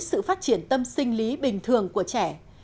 sự phát triển tâm sinh lý bình thường của trẻ